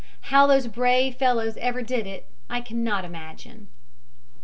How those brave fellows ever did it I cannot imagine."